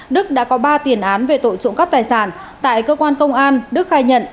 đức đã có ba tiền án về tội trộm cắp tài sản tại cơ quan công an đức khai nhận